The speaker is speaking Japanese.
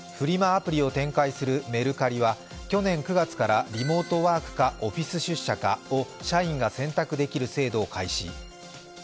アプリを展開するメルカリは去年９月からリモートワークかオフィス出社かなどを社員が選択できる制度を開始。